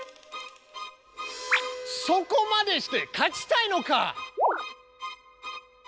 そこまでして勝ちたいのか。